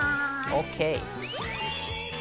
ＯＫ！